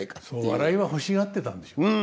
そう笑いは欲しがってたんでしょう。